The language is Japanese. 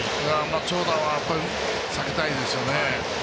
長打は避けたいですよね。